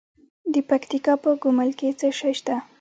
د پکتیکا په ګومل کې څه شی شته؟